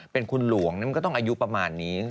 เป็นคุณหลวงมันก็ต้องอายุประมาณนี้